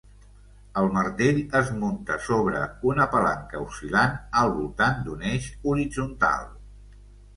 El martell es munta sobre una palanca oscil·lant al voltant d'un eix horitzontal.